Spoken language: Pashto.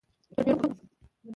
یوټیوب